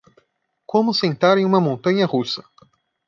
Como sentar em uma montanha russa